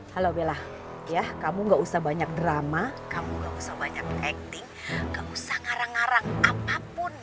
halo bela ya kamu nggak usah banyak drama kamu gak usah banyak acting gak usah ngarang ngarang apapun